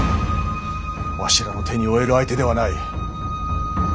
わしらの手に負える相手ではない。